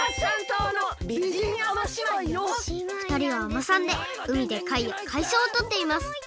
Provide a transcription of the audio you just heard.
せのふたりは海女さんでうみでかいやかいそうをとっています。